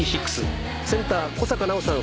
センター小坂菜緒さん